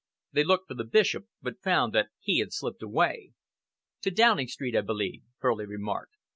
They looked for the Bishop but found that he had slipped away. "To Downing Street, I believe," Furley remarked.